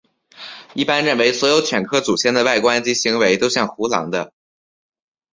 一般认为所有犬科祖先的外观及行为都像胡狼的。